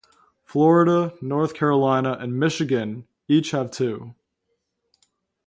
Florida, North Carolina, and Michigan each have two.